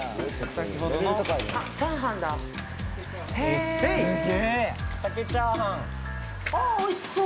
サケチャーハンあっおいしそう！